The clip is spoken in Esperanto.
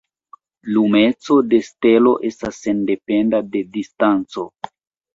Lumeco de stelo estas sendependa de distanco.